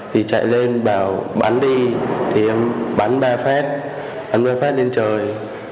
thì chạy lên bảo bắn đi bắn ba phát bắn ba phát lên trời